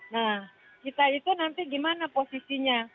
nah kita itu nanti gimana posisinya